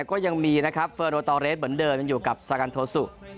ก็ยังมีเฟิร์นโอตอเลสเหมือนเดินอยู่กับซากันโทซุ